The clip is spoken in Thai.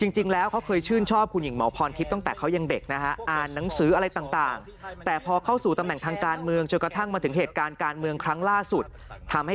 จริงแล้วเขาเคยชื่นชอบคุณหญิงหมอพรทิพย์ตั้งแต่เขายังเด็กนะฮะ